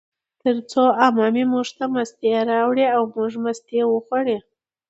ترڅو عمه مې موږ ته مستې راوړې، او موږ مستې وخوړې